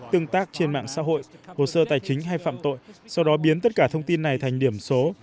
tương tác trên mạng xã hội hồ sơ tài chính hay phạm tội sau đó biến tất cả thông tin này thành điểm số